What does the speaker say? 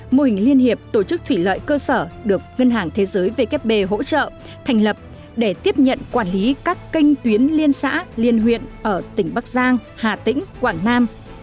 mô hình liên hiệp tổ chức thủy lợi cơ sở được ngân hàng thế giới vkp hỗ trợ thành lập để tiếp nhận quản lý các kênh tuyến liên xã liên huyện ở tỉnh bắc giang hà tĩnh quảng nam